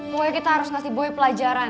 pokoknya kita harus ngasih buaya pelajaran